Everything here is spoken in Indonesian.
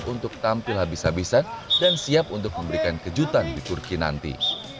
untuk tampil habis habisan dan siap untuk memberikan kejutan di turki nanti